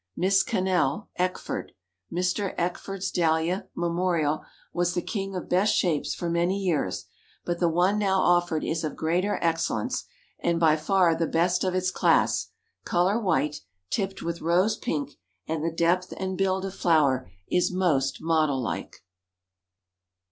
Miss Cannell, (Eckford) "Mr. Eckford's Dahlia, Memorial, was the king of best shapes for many years, but the one now offered is of greater excellence, and by far the best of its class; color white, tipped with rose pink, and the depth and build of flower is most model like."